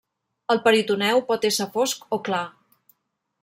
El peritoneu pot ésser fosc o clar.